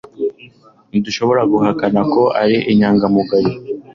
ntidushobora guhakana ko ari inyangamugayo